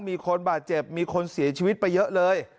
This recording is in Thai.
มีคนบาดเจ็บมีคนเสียชีวิตไปเยอะเลย